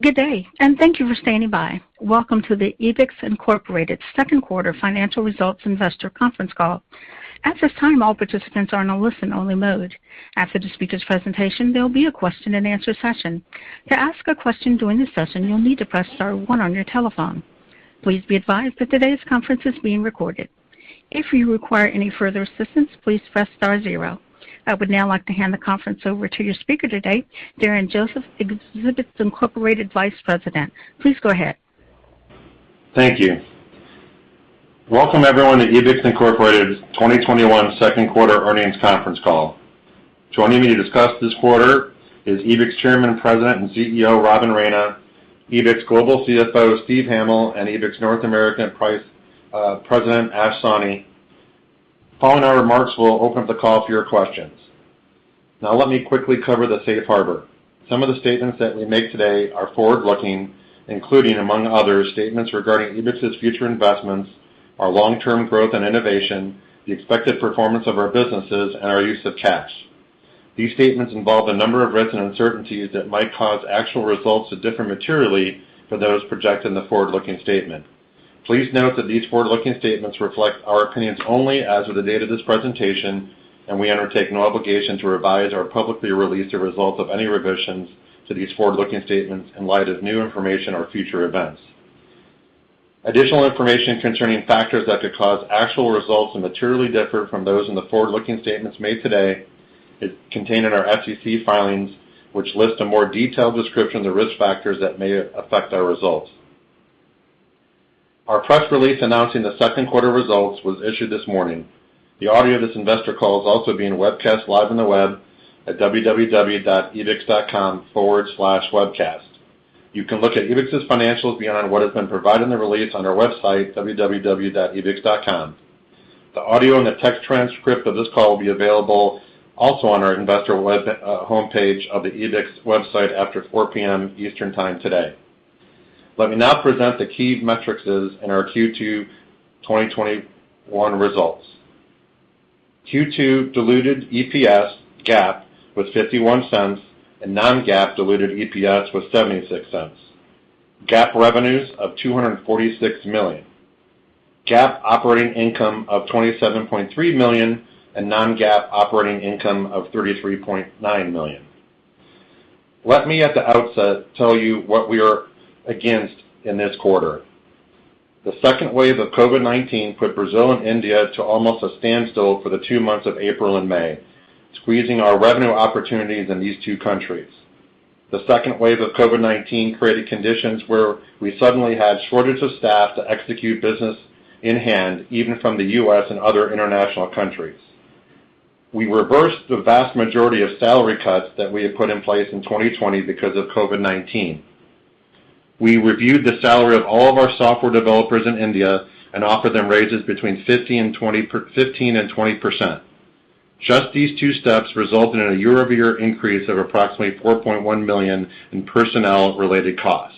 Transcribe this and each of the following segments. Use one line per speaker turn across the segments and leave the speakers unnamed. Good day, and thank you for standing by. Welcome to the Ebix, Inc. second quarter financial results investor conference call. At this time, all participants are in a listen-only mode. After the speakers' presentation, there will be a question-and-answer session. I would now like to hand the conference over to your speaker today, Darren Joseph, Ebix, Inc. Vice President. Please go ahead.
Thank you. Welcome, everyone, to Ebix, Inc.'s 2021 second quarter earnings conference call. Joining me to discuss this quarter is Ebix Chairman, President, and CEO, Robin Raina, Ebix Global CFO, Steve Hamil, and Ebix North American President, Ash Sawhney. Following our remarks, we'll open up the call for your questions. Let me quickly cover the safe harbor. Some of the statements that we make today are forward-looking, including, among others, statements regarding Ebix's future investments, our long-term growth and innovation, the expected performance of our businesses, and our use of cash. These statements involve a number of risks and uncertainties that might cause actual results to differ materially from those projected in the forward-looking statement. Please note that these forward-looking statements reflect our opinions only as of the date of this presentation, and we undertake no obligation to revise or publicly release the results of any revisions to these forward-looking statements in light of new information or future events. Additional information concerning factors that could cause actual results to materially differ from those in the forward-looking statements made today is contained in our SEC filings, which list a more detailed description of the risk factors that may affect our results. Our press release announcing the second quarter results was issued this morning. The audio of this investor call is also being webcast live on the web at www.ebix.com/webcast. You can look at Ebix's financials beyond what has been provided in the release on our website, www.ebix.com. The audio and the text transcript of this call will be available also on our investor web homepage of the Ebix website after 4:00 P.M. Eastern Time today. Let me now present the key metrics in our Q2 2021 results. Q2 diluted EPS GAAP was $0.51, and non-GAAP diluted EPS was $0.76. GAAP revenues of $246 million. GAAP operating income of $27.3 million and non-GAAP operating income of $33.9 million. Let me at the outset tell you what we are against in this quarter. The second wave of COVID-19 put Brazil and India to almost a standstill for the two months of April and May, squeezing our revenue opportunities in these two countries. The second wave of COVID-19 created conditions where we suddenly had shortage of staff to execute business in hand, even from the U.S. and other international countries. We reversed the vast majority of salary cuts that we had put in place in 2020 because of COVID-19. We reviewed the salary of all of our software developers in India and offered them raises between 15%-20%. Just these two steps resulted in a year-over-year increase of approximately $4.1 million in personnel-related costs.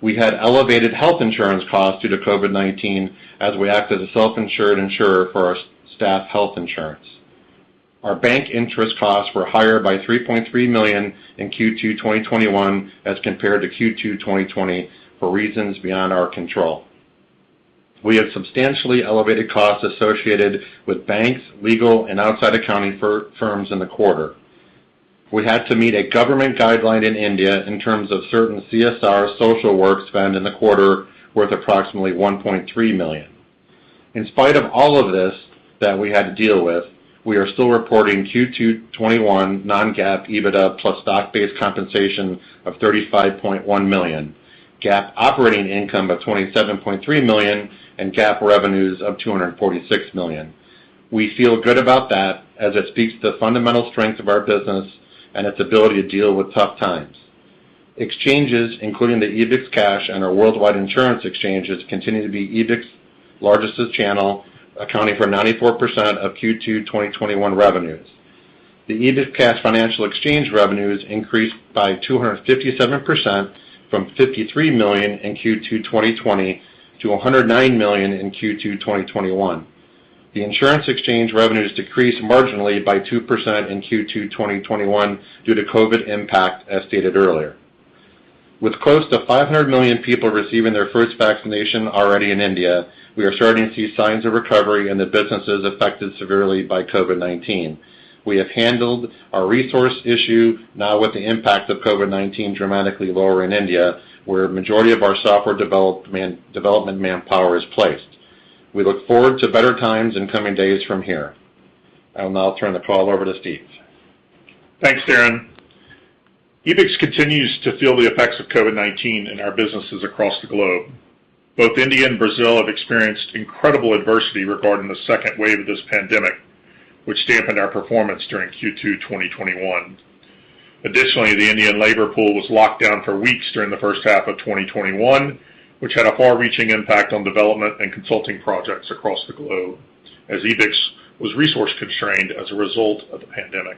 We had elevated health insurance costs due to COVID-19 as we act as a self-insured insurer for our staff health insurance. Our bank interest costs were higher by $3.3 million in Q2 2021 as compared to Q2 2020 for reasons beyond our control. We have substantially elevated costs associated with banks, legal, and outside accounting firms in the quarter. We had to meet a government guideline in India in terms of certain CSR social work spend in the quarter worth approximately $1.3 million. In spite of all of this that we had to deal with, we are still reporting Q2 2021 non-GAAP EBITDA plus stock-based compensation of $35.1 million, GAAP operating income of $27.3 million, GAAP revenues of $246 million. We feel good about that as it speaks to the fundamental strength of our business and its ability to deal with tough times. Exchanges, including the EbixCash and our worldwide insurance exchanges, continue to be Ebix's largest channel, accounting for 94% of Q2 2021 revenues. The EbixCash Financial Exchange revenues increased by 257% from $53 million in Q2 2020 to $109 million in Q2 2021. The insurance exchange revenues decreased marginally by 2% in Q2 2021 due to COVID-19 impact, as stated earlier. With close to 500 million people receiving their first vaccination already in India, we are starting to see signs of recovery in the businesses affected severely by COVID-19. We have handled our resource issue now with the impact of COVID-19 dramatically lower in India, where a majority of our software development manpower is placed. We look forward to better times in coming days from here. I will now turn the call over to Steve.
Thanks, Darren. Ebix continues to feel the effects of COVID-19 in our businesses across the globe. Both India and Brazil have experienced incredible adversity regarding the second wave of this pandemic, which dampened our performance during Q2 2021. Additionally, the Indian labor pool was locked down for weeks during the first half of 2021, which had a far-reaching impact on development and consulting projects across the globe as Ebix was resource-constrained as a result of the pandemic.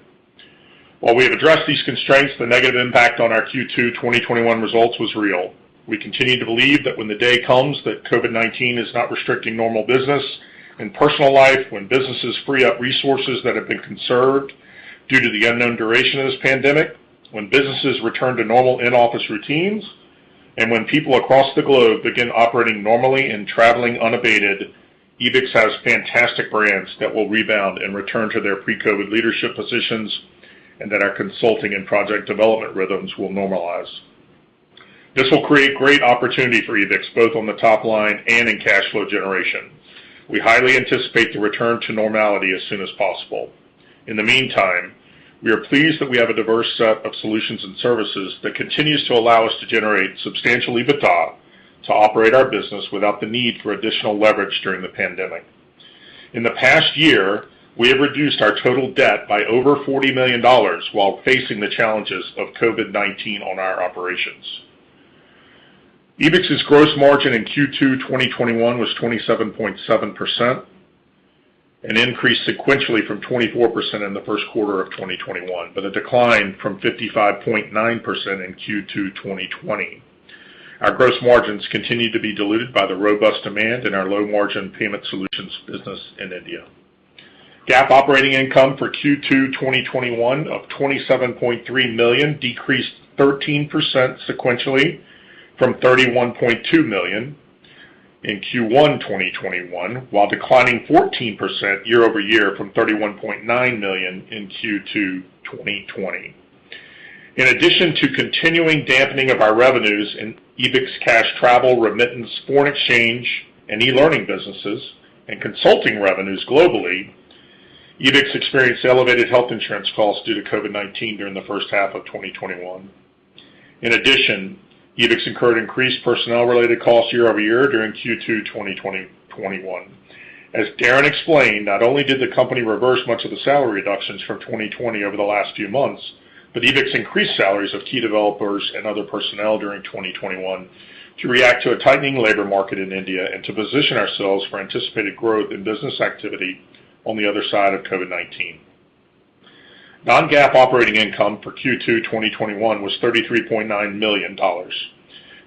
While we have addressed these constraints, the negative impact on our Q2 2021 results was real. We continue to believe that when the day comes that COVID-19 is not restricting normal business in personal life, when businesses free up resources that have been conserved due to the unknown duration of this pandemic, when businesses return to normal in-office routines, and when people across the globe begin operating normally and traveling unabated, Ebix has fantastic brands that will rebound and return to their pre-COVID leadership positions and that our consulting and project development rhythms will normalize. This will create great opportunity for Ebix, both on the top line and in cash flow generation. We highly anticipate the return to normality as soon as possible. In the meantime, we are pleased that we have a diverse set of solutions and services that continues to allow us to generate substantial EBITDA to operate our business without the need for additional leverage during the pandemic. In the past year, we have reduced our total debt by over $40 million while facing the challenges of COVID-19 on our operations. Ebix's gross margin in Q2 2021 was 27.7%, an increase sequentially from 24% in the first quarter of 2021, but a decline from 55.9% in Q2 2020. Our gross margins continue to be diluted by the robust demand in our low-margin payment solutions business in India. GAAP operating income for Q2 2021 of $27.3 million decreased 13% sequentially from $31.2 million in Q1 2021, while declining 14% year-over-year from $31.9 million in Q2 2020. In addition to continuing dampening of our revenues in EbixCash travel, remittance, foreign exchange, and e-learning businesses, and consulting revenues globally, Ebix experienced elevated health insurance costs due to COVID-19 during the first half of 2021. In addition, Ebix incurred increased personnel-related costs year-over-year during Q2 2021. As Darren explained, not only did the company reverse much of the salary reductions from 2020 over the last few months, but Ebix increased salaries of key developers and other personnel during 2021 to react to a tightening labor market in India and to position ourselves for anticipated growth in business activity on the other side of COVID-19. Non-GAAP operating income for Q2 2021 was $33.9 million.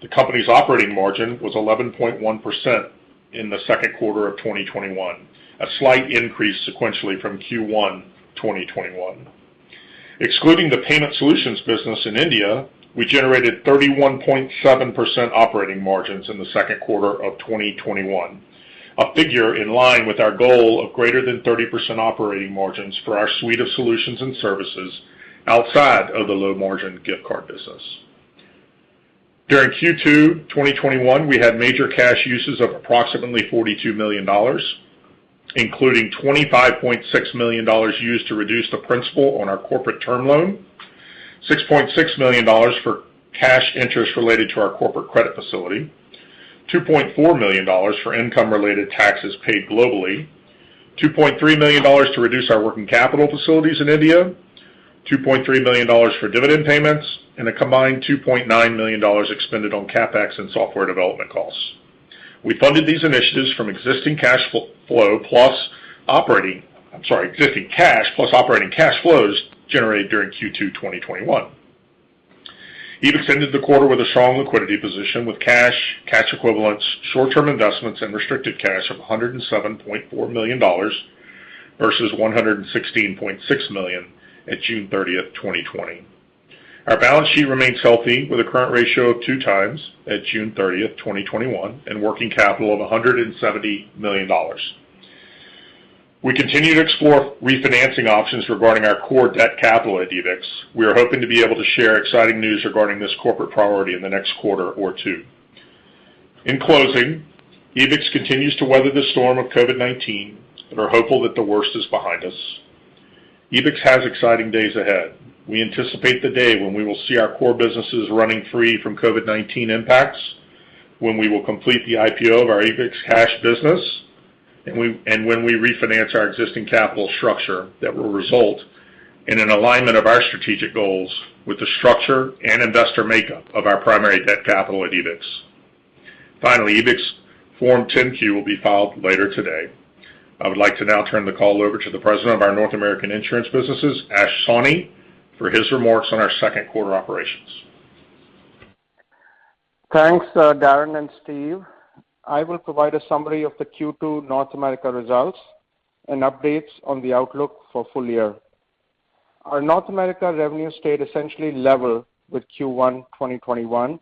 The company's operating margin was 11.1% in the second quarter of 2021, a slight increase sequentially from Q1 2021. Excluding the payment solutions business in India, we generated 31.7% operating margins in the second quarter of 2021, a figure in line with our goal of greater than 30% operating margins for our suite of solutions and services outside of the low-margin gift card business. During Q2 2021, we had major cash uses of approximately $42 million, including $25.6 million used to reduce the principal on our corporate term loan, $6.6 million for cash interest related to our corporate credit facility, $2.4 million for income-related taxes paid globally, $2.3 million to reduce our working capital facilities in India, $2.3 million for dividend payments, and a combined $2.9 million expended on CapEx and software development costs. We funded these initiatives from existing cash plus operating cash flows generated during Q2 2021. Ebix ended the quarter with a strong liquidity position with cash equivalents, short-term investments and restricted cash of $107.4 million versus $116.6 million at June 30th, 2020. Our balance sheet remains healthy with a current ratio of two times at June 30th, 2021, and working capital of $170 million. We continue to explore refinancing options regarding our core debt capital at Ebix. We are hoping to be able to share exciting news regarding this corporate priority in the next quarter or two. In closing, Ebix continues to weather the storm of COVID-19 and are hopeful that the worst is behind us. Ebix has exciting days ahead. We anticipate the day when we will see our core businesses running free from COVID-19 impacts, when we will complete the IPO of our EbixCash business, and when we refinance our existing capital structure that will result in an alignment of our strategic goals with the structure and investor makeup of our primary debt capital at Ebix. Finally, Ebix Form 10-Q will be filed later today. I would like to now turn the call over to the President of our North American Insurance businesses, Ash Sawhney, for his remarks on our second quarter operations.
Thanks, Darren and Steve. I will provide a summary of the Q2 North America results and updates on the outlook for full year. Our North America revenue stayed essentially level with Q1 2021,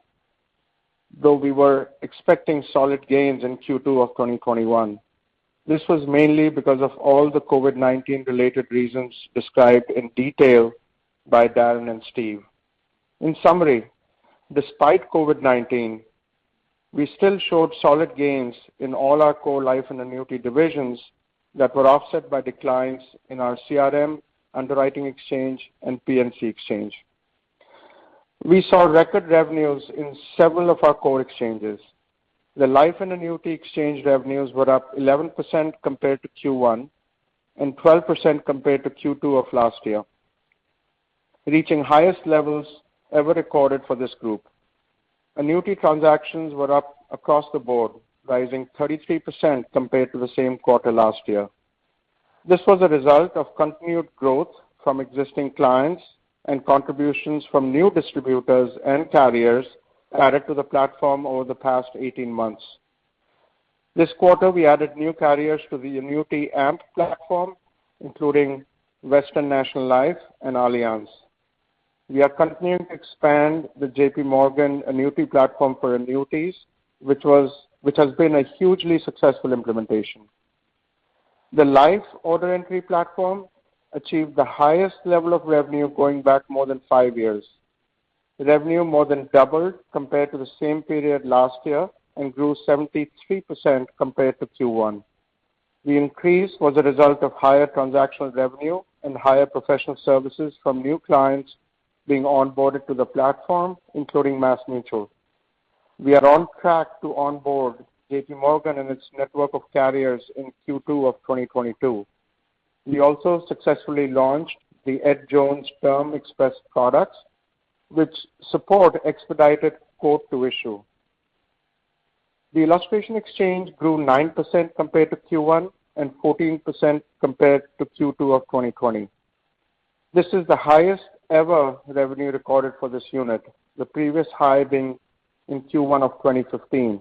though we were expecting solid gains in Q2 of 2021. This was mainly because of all the COVID-19 related reasons described in detail by Darren and Steve. In summary, despite COVID-19, we still showed solid gains in all our core life and annuity divisions that were offset by declines in our CRM, underwriting exchange, and P&C exchange. We saw record revenues in several of our core exchanges. The life and annuity exchange revenues were up 11% compared to Q1 and 12% compared to Q2 of last year, reaching highest levels ever recorded for this group. Annuity transactions were up across the board, rising 33% compared to the same quarter last year. This was a result of continued growth from existing clients and contributions from new distributors and carriers added to the platform over the past 18 months. This quarter, we added new carriers to the Annuity AMP platform, including Western National Life and Allianz. We are continuing to expand the JPMorgan annuity platform for annuities, which has been a hugely successful implementation. The life order entry platform achieved the highest level of revenue going back more than five years. Revenue more than doubled compared to the same period last year and grew 73% compared to Q1. The increase was a result of higher transactional revenue and higher professional services from new clients being onboarded to the platform, including MassMutual. We are on track to onboard JPMorgan and its network of carriers in Q2 of 2022. We also successfully launched the Edward Jones Term Express products, which support expedited quote to issue. The illustration exchange grew 9% compared to Q1 and 14% compared to Q2 of 2020. This is the highest ever revenue recorded for this unit, the previous high being in Q1 of 2015.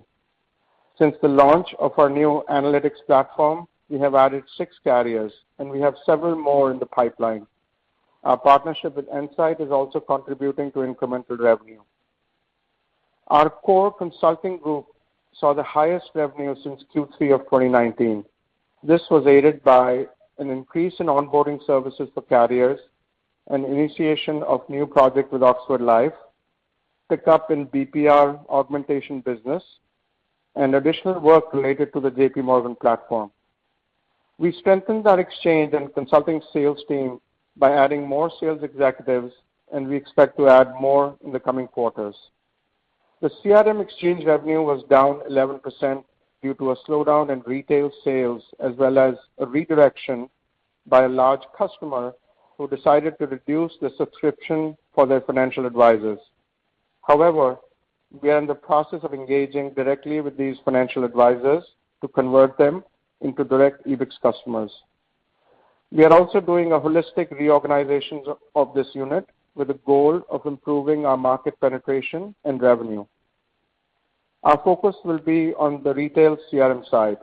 Since the launch of our new analytics platform, we have added six carriers, and we have several more in the pipeline. Our partnership with Ensight is also contributing to incremental revenue. Our core consulting group saw the highest revenue since Q3 of 2019. This was aided by an increase in onboarding services for carriers and initiation of new project with Oxford Life, pick up in BPO augmentation business, and additional work related to the JPMorgan platform. We strengthened our exchange and consulting sales team by adding more sales executives, and we expect to add more in the coming quarters. The CRM exchange revenue was down 11% due to a slowdown in retail sales, as well as a redirection by a large customer who decided to reduce the subscription for their financial advisors. However, we are in the process of engaging directly with these financial advisors to convert them into direct Ebix customers. We are also doing a holistic reorganization of this unit with the goal of improving our market penetration and revenue. Our focus will be on the retail CRM side,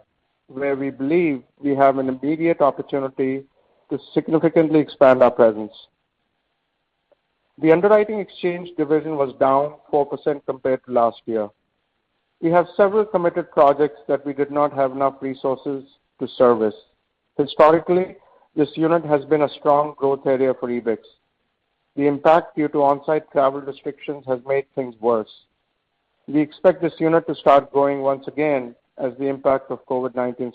where we believe we have an immediate opportunity to significantly expand our presence. The underwriting exchange division was down 4% compared to last year. We have several committed projects that we did not have enough resources to service. Historically, this unit has been a strong growth area for Ebix. The impact due to on-site travel restrictions has made things worse. We expect this unit to start growing once again as the impact of COVID-19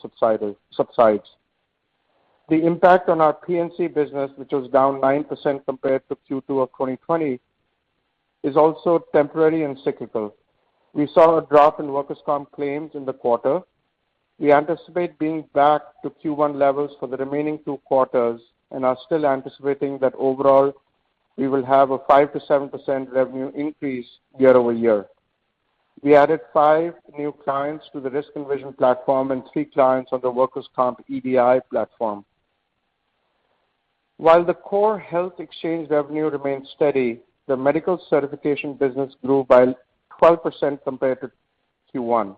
subsides. The impact on our P&C business, which was down 9% compared to Q2 of 2020, is also temporary and cyclical. We saw a drop in workers' comp claims in the quarter. We anticipate being back to Q1 levels for the remaining two quarters and are still anticipating that overall, we will have a 5%-7% revenue increase year-over-year. We added five new clients to the RiskEnvision platform and three clients on the workers' comp EDI platform. While the core health exchange revenue remains steady, the medical certification business grew by 12% compared to Q1.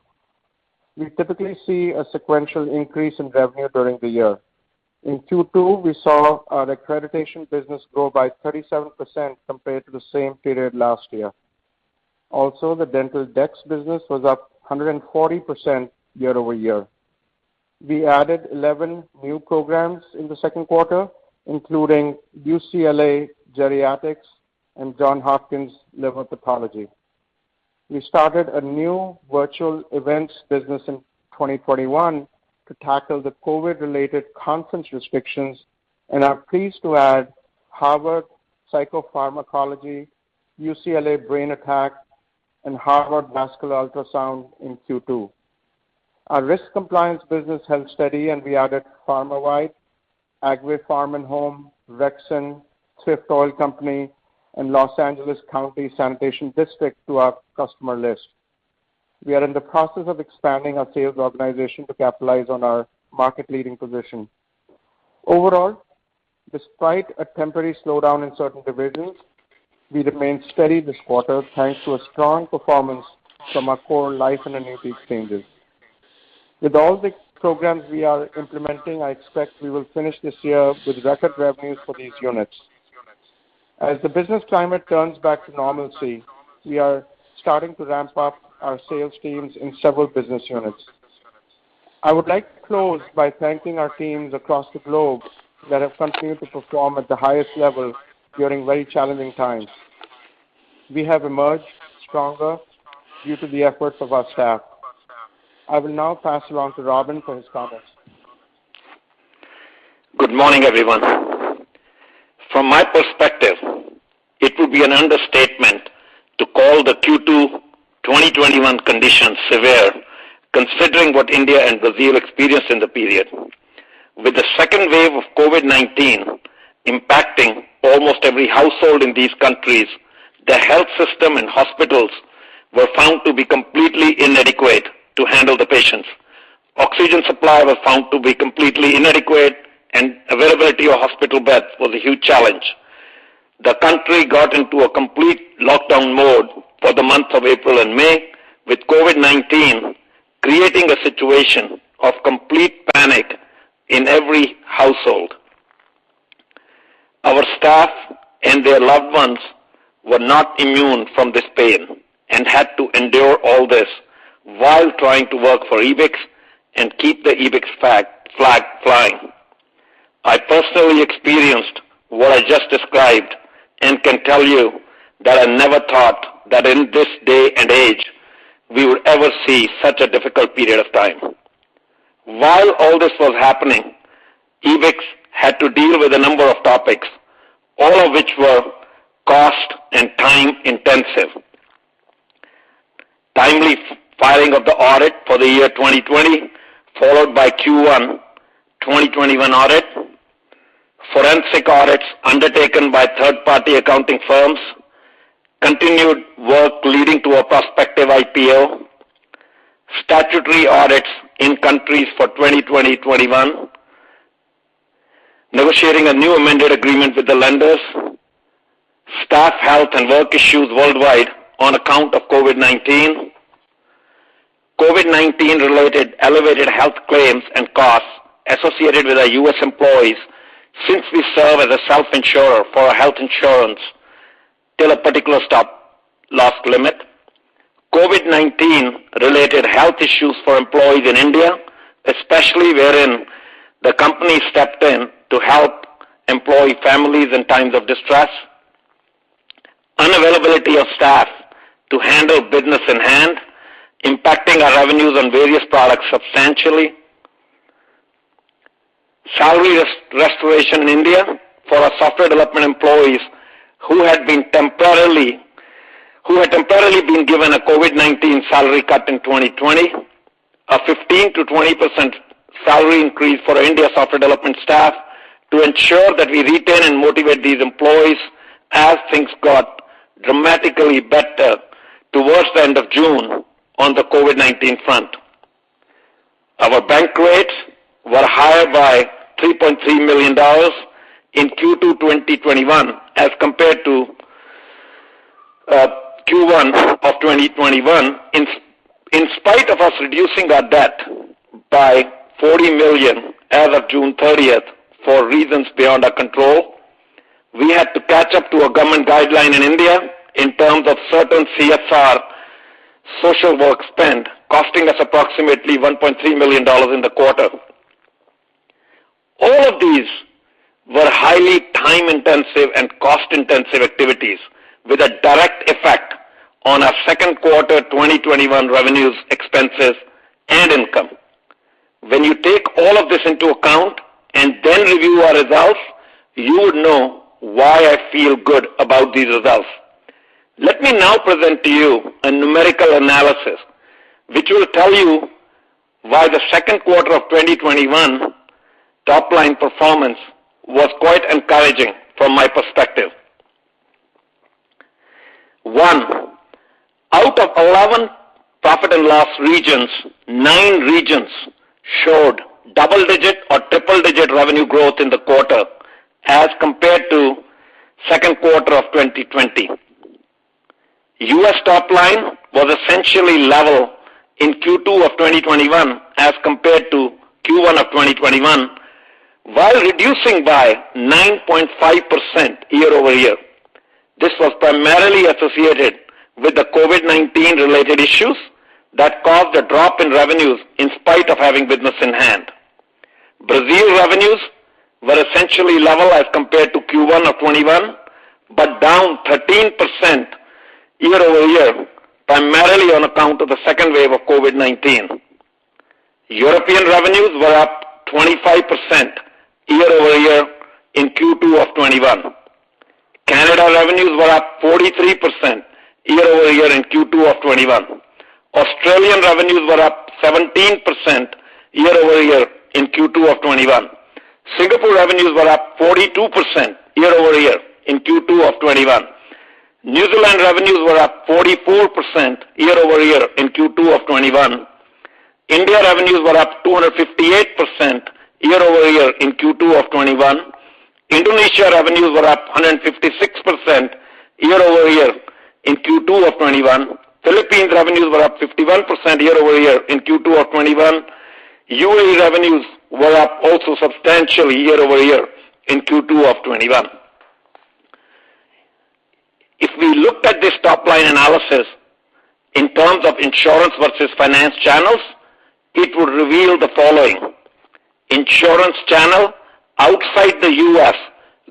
We typically see a sequential increase in revenue during the year. In Q2, we saw our accreditation business grow by 37% compared to the same period last year. The Dental Decks business was up 140% year-over-year. We added 11 new programs in the second quarter, including UCLA Geriatrics and Johns Hopkins Liver Pathology. We started a new virtual events business in 2021 to tackle the COVID-related conference restrictions and are pleased to add Harvard Psychopharmacology, UCLA Brain Attack, and Harvard Vascular Ultrasound in Q2. Our risk compliance business held steady, and we added PharmaWide, Agri Farm and Home, Vexen, Swift Oil Company, and Los Angeles County Sanitation District to our customer list. We are in the process of expanding our sales organization to capitalize on our market-leading position. Despite a temporary slowdown in certain divisions, we remained steady this quarter, thanks to a strong performance from our core life and annuity exchanges. With all the programs we are implementing, I expect we will finish this year with record revenues for these units. As the business climate turns back to normalcy, we are starting to ramp up our sales teams in several business units. I would like to close by thanking our teams across the globe that have continued to perform at the highest level during very challenging times. We have emerged stronger due to the efforts of our staff. I will now pass it on to Robin for his comments.
Good morning, everyone. From my perspective, it would be an understatement to call the Q2 2021 conditions severe, considering what India and Brazil experienced in the period. With the second wave of COVID-19 impacting almost every household in these countries, the health system and hospitals were found to be completely inadequate to handle the patients. Oxygen supply were found to be completely inadequate, Availability of hospital beds was a huge challenge. The country got into a complete lockdown mode for the months of April and May, with COVID-19 creating a situation of complete panic in every household. Our staff and their loved ones were not immune from this pain and had to endure all this while trying to work for Ebix and keep the Ebix flag flying. I personally experienced what I just described and can tell you that I never thought that in this day and age, we would ever see such a difficult period of time. While all this was happening, Ebix had to deal with a number of topics, all of which were cost and time-intensive. Timely filing of the audit for the year 2020, followed by Q1 2021 audit, forensic audits undertaken by third-party accounting firms, continued work leading to a prospective IPO, statutory audits in countries for 2020, 2021, negotiating a new amended agreement with the lenders, staff health and work issues worldwide on account of COVID-19, COVID-19 related elevated health claims and costs associated with our U.S. employees since we serve as a self-insurer for our health insurance till a particular stop-loss limit. COVID-19-related health issues for employees in India, especially wherein the company stepped in to help employee families in times of distress, unavailability of staff to handle business in hand, impacting our revenues on various products substantially, salary restoration in India for our software development employees who had temporarily been given a COVID-19 salary cut in 2020, a 15%-20% salary increase for our India software development staff to ensure that we retain and motivate these employees as things got dramatically better towards the end of June on the COVID-19 front. Our bank rates were higher by $3.3 million in Q2 2021 as compared to Q1 of 2021. In spite of us reducing our debt by $40 million as of June 30th, for reasons beyond our control, we had to catch up to a government guideline in India in terms of certain CSR social work spend, costing us approximately $1.3 million in the quarter. All of these were highly time-intensive and cost-intensive activities with a direct effect on our second quarter 2021 revenues, expenses, and income. When you take all of this into account and then review our results, you would know why I feel good about these results. Let me now present to you a numerical analysis, which will tell you why the second quarter of 2021 top-line performance was quite encouraging from my perspective. One, out of 11 profit and loss regions, nine regions showed double-digit or triple-digit revenue growth in the quarter as compared to second quarter of 2020. U.S. top line was essentially level in Q2 of 2021 as compared to Q1 of 2021, while reducing by 9.5% year-over-year. This was primarily associated with the COVID-19-related issues that caused a drop in revenues in spite of having business in hand. Brazil revenues were essentially level as compared to Q1 of 2021, but down 13% year-over-year, primarily on account of the second wave of COVID-19. European revenues were up 25% year-over-year in Q2 of 2021. Canada revenues were up 43% year-over-year in Q2 of 2021. Australian revenues were up 17% year-over-year in Q2 of 2021. Singapore revenues were up 42% year-over-year in Q2 of 2021. New Zealand revenues were up 44% year-over-year in Q2 of 2021. India revenues were up 258% year-over-year in Q2 of 2021. Indonesia revenues were up 156% year-over-year in Q2 2021. Philippines revenues were up 51% year-over-year in Q2 2021. UAE revenues were up also substantial year-over-year in Q2 2021. If we looked at this top-line analysis in terms of insurance versus finance channels, it would reveal the following. Insurance channel outside the U.S.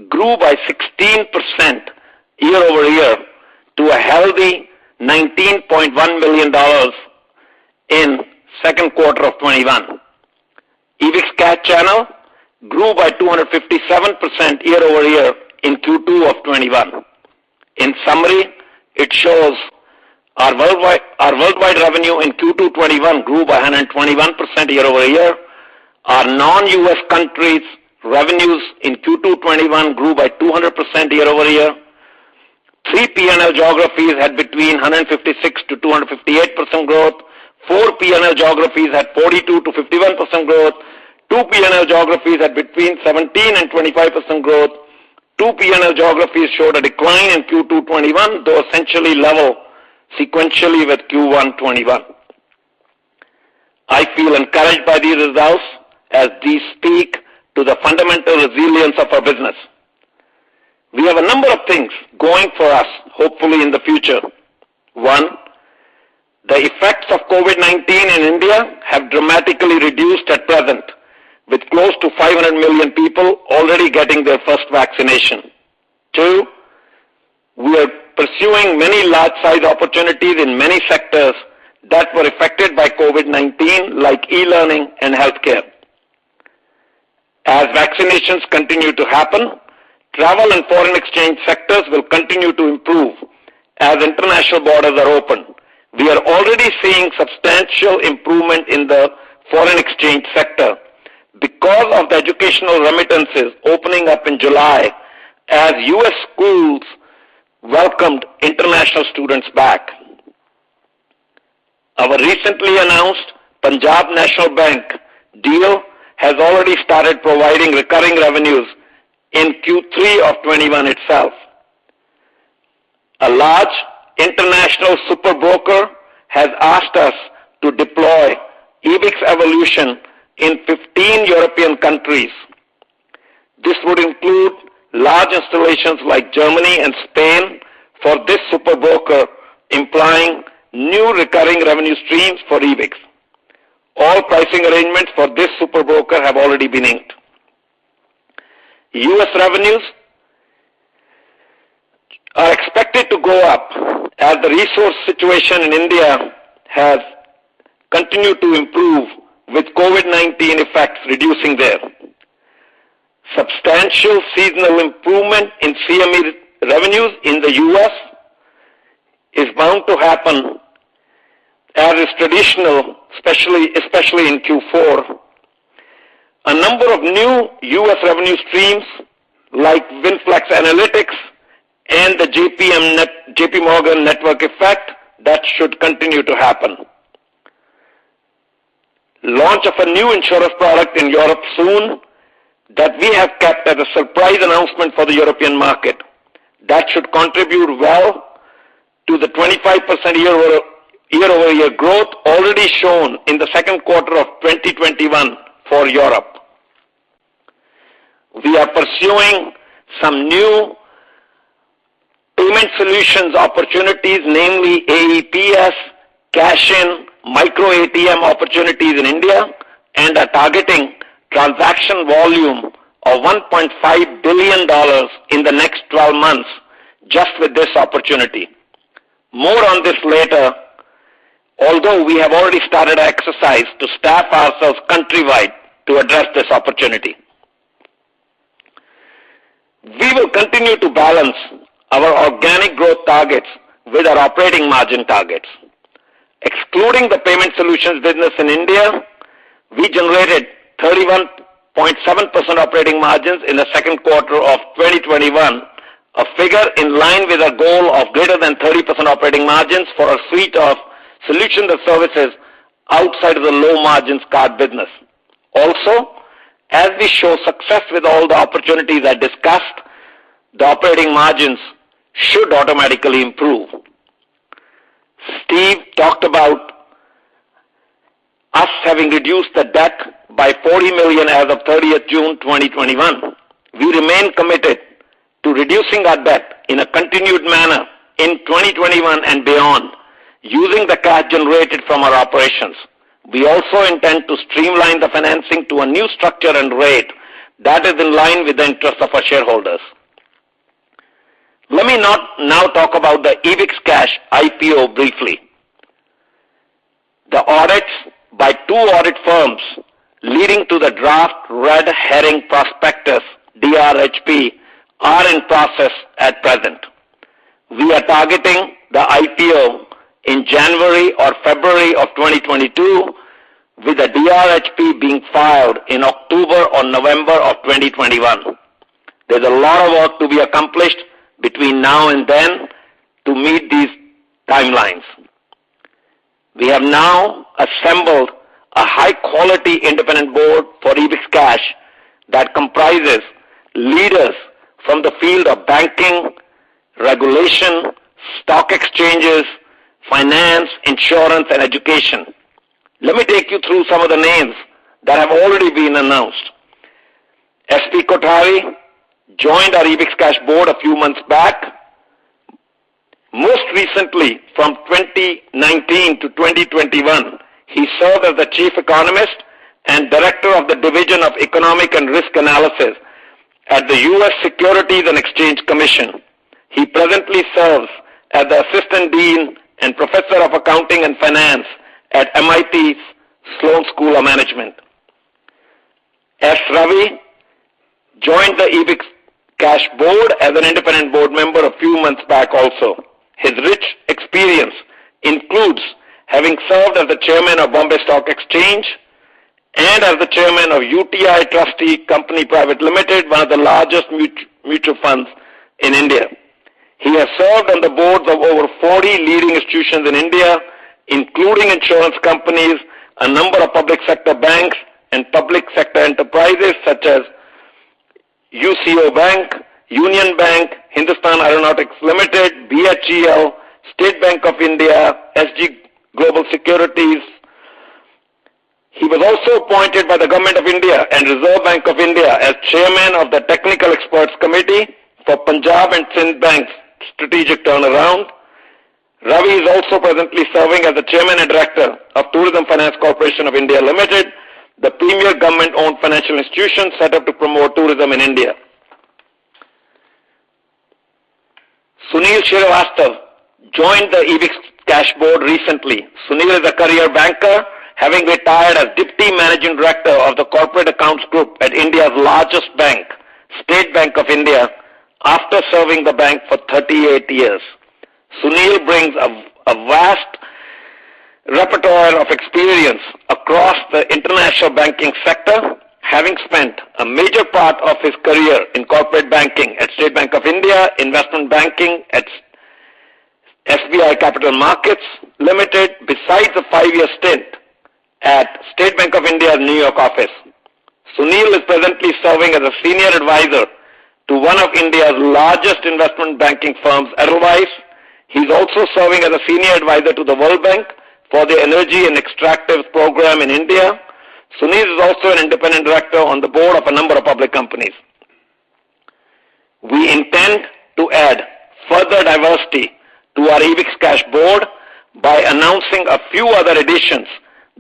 grew by 16% year-over-year to a healthy $19.1 million in second quarter 2021. EbixCash channel grew by 257% year-over-year in Q2 2021. In summary, it shows our worldwide revenue in Q2 2021 grew by 121% year-over-year. Our non-U.S. countries revenues in Q2 2021 grew by 200% year-over-year. Three P&L geographies had between 156%-258% growth. Four P&L geographies had 42%-51% growth. Two P&L geographies had between 17% and 25% growth. Two P&L geographies showed a decline in Q2 '21, though essentially level sequentially with Q1 '21. I feel encouraged by these results as these speak to the fundamental resilience of our business. We have a number of things going for us, hopefully, in the future. One, the effects of COVID-19 in India have dramatically reduced at present, with close to 500 million people already getting their first vaccination. Two, we are pursuing many large-size opportunities in many sectors that were affected by COVID-19, like e-learning and healthcare. As vaccinations continue to happen, travel and foreign exchange sectors will continue to improve as international borders are opened. We are already seeing substantial improvement in the foreign exchange sector because of the educational remittances opening up in July as U.S. schools welcomed international students back. Our recently announced Punjab National Bank deal has already started providing recurring revenues in Q3 of 2021 itself. A large international super broker has asked us to deploy Ebix Evolution in 15 European countries. This would include large installations like Germany and Spain for this super broker, implying new recurring revenue streams for Ebix. All pricing arrangements for this super broker have already been inked. U.S. revenues are expected to go up as the resource situation in India has continued to improve with COVID-19 effects reducing there. Substantial seasonal improvement in CME revenues in the U.S. is bound to happen as is traditional, especially in Q4. A number of new U.S. revenue streams like WinFlex Analytics and the JPM, JPMorgan network effect, that should continue to happen. Launch of a new insurance product in Europe soon that we have kept as a surprise announcement for the European market. That should contribute well to the 25% year-over-year growth already shown in the second quarter of 2021 for Europe. We are pursuing some new payment solutions opportunities, namely AEPS, cash-in, micro ATM opportunities in India, and are targeting transaction volume of $1.5 billion in the next 12 months just with this opportunity. More on this later, although we have already started an exercise to staff ourselves country-wide to address this opportunity. We will continue to balance our organic growth targets with our operating margin targets. Excluding the payment solutions business in India, we generated 31.7% operating margins in the second quarter of 2021, a figure in line with our goal of greater than 30% operating margins for our suite of solutions and services outside of the low-margin card business. As we show success with all the opportunities I discussed, the operating margins should automatically improve. Steve talked about us having reduced the debt by $40 million as of 30th June 2021. We remain committed to reducing our debt in a continued manner in 2021 and beyond using the cash generated from our operations. We also intend to streamline the financing to a new structure and rate that is in line with the interest of our shareholders. Let me now talk about the EbixCash IPO briefly. The audits by two audit firms leading to the Draft Red Herring Prospectus, DRHP, are in process at present. We are targeting the IPO in January or February of 2022, with the DRHP being filed in October or November of 2021. There's a lot of work to be accomplished between now and then to meet these timelines. We have now assembled a high-quality independent board for EbixCash that comprises leaders from the field of banking, regulation, stock exchanges, finance, insurance, and education. Let me take you through some of the names that have already been announced. S.P. Kothari joined our EbixCash board a few months back. Most recently, from 2019 to 2021, he served as the Chief Economist and Director of the Division of Economic and Risk Analysis at the U.S. Securities and Exchange Commission. He presently serves as the Assistant Dean and Professor of Accounting and Finance at MIT's Sloan School of Management. S. Ravi joined the EbixCash board as an independent board member a few months back also. His rich experience includes having served as the chairman of Bombay Stock Exchange and as the chairman of UTI Trustee Company Private Limited, one of the largest mutual funds in India. He has served on the boards of over 40 leading institutions in India, including insurance companies, a number of public sector banks, and public sector enterprises such as UCO Bank, Union Bank, Hindustan Aeronautics Limited, BHEL, State Bank of India, SG Global Securities. He was also appointed by the government of India and Reserve Bank of India as chairman of the Technical Experts Committee for Punjab & Sind Bank's strategic turnaround. Ravi is also presently serving as the chairman and director of Tourism Finance Corporation of India Limited, the premier government-owned financial institution set up to promote tourism in India. Sunil Srivastav joined the EbixCash board recently. Sunil is a career banker, having retired as deputy managing director of the corporate accounts group at India's largest bank, State Bank of India, after serving the bank for 38 years. Sunil brings a vast repertoire of experience across the international banking sector, having spent a major part of his career in corporate banking at State Bank of India, investment banking at SBI Capital Markets Limited, besides a five-year stint at State Bank of India New York office. Sunil is presently serving as a senior advisor to one of India's largest investment banking firms, Edelweiss. He's also serving as a senior advisor to the World Bank for the energy and extractives program in India. Sunil is also an independent director on the board of a number of public companies. We intend to add further diversity to our EbixCash Board by announcing a few other additions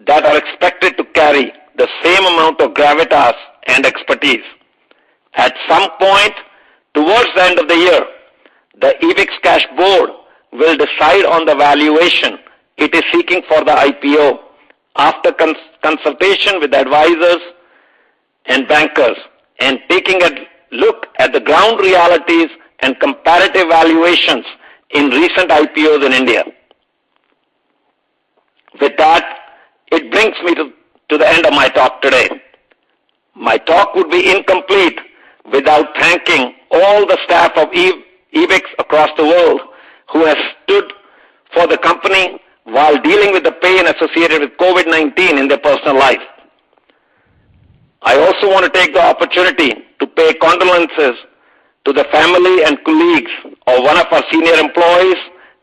that are expected to carry the same amount of gravitas and expertise. At some point, towards the end of the year, the EbixCash board will decide on the valuation it is seeking for the IPO after consultation with advisors and bankers and taking a look at the ground realities and comparative valuations in recent IPOs in India. With that, it brings me to the end of my talk today. My talk would be incomplete without thanking all the staff of Ebix across the world who have stood for the company while dealing with the pain associated with COVID-19 in their personal life. I also want to take the opportunity to pay condolences to the family and colleagues of one of our senior employees,